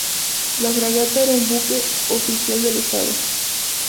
La fragata era un buque oficial del Estado.